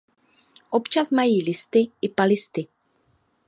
Občas mají listy i palisty.